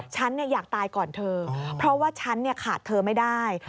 ฉันอยากตายก่อนเธอเพราะว่าฉันขาดเธอไม่ได้